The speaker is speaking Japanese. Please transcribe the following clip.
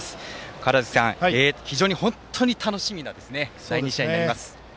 川原崎さん、非常に楽しみな第２試合になります。